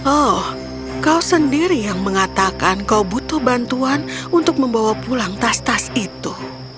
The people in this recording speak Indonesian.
oh kau sendiri yang mengatakan kau butuh bantuan untuk membawa pulang tas tas itu